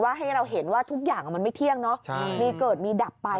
ให้เราเห็นว่าทุกอย่างมันไม่เที่ยงเนอะมีเกิดมีดับไป